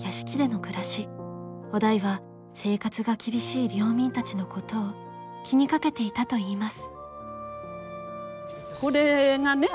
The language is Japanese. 於大は生活が厳しい領民たちのことを気にかけていたといいます。